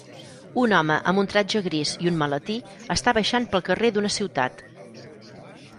Un home amb un tratge gris i un maletí està baixant pel carrer d'una ciutat